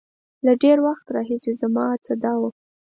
له ډېر وخت راهیسې زما هڅه دا وه.